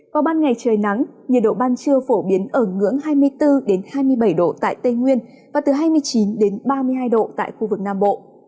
vào ban ngày trời nắng nhiệt độ ban trưa phổ biến ở ngưỡng hai mươi bốn hai mươi bảy độ tại tây nguyên và từ hai mươi chín ba mươi hai độ tại khu vực nam bộ